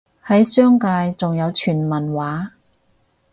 喺商界仲有傳聞話